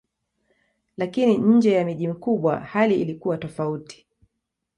Lakini nje ya miji mikubwa hali ilikuwa tofauti.